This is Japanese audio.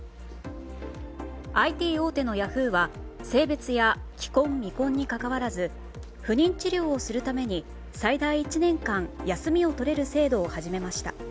ＩＴ大手のヤフーは性別や既婚・未婚にかかわらず不妊治療をするために最大１年間休みをとれる制度を始めました。